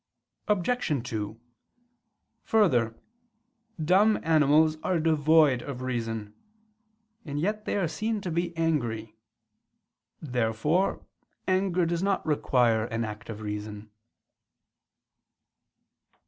Obj. 2: Further, dumb animals are devoid of reason: and yet they are seen to be angry. Therefore anger does not require an act of reason.